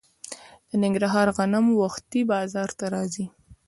د ننګرهار غنم وختي بازار ته راځي.